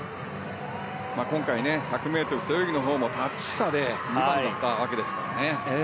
今回１００ｍ背泳ぎのほうもタッチ差で２番だったわけですからね。